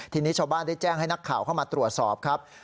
ทีนี้ชาวบ้านได้แจ้งให้นักข่าวเข้ามาตรวจสอบครับ